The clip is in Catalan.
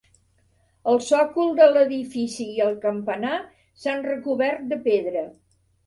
El sòcol de l'edifici i el campanar s'han recobert de pedra.